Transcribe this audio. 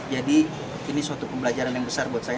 jadi ini suatu pembelajaran yang besar buat saya